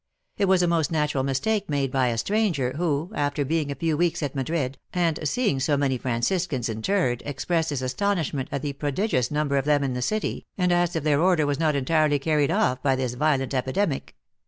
It was a most natural mistake made by a stranger, who, after being a few weeks at Madrid, and seeing so many Franciscans in terred, expressed his astonishment at the prodigious number of them in the city, and asked if their order was not entirely carried off by this violent epidemic."